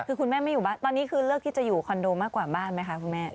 คือคุณแม่ไม่อยู่บ้านตอนนี้คือเลือกที่จะอยู่คอนโดมากกว่าบ้านไหมคะคุณแม่